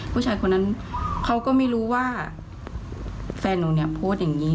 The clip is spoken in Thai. ผู้ชายคนนั้นเขาก็ไม่รู้ว่าแฟนหนูเนี่ยโพสต์อย่างนี้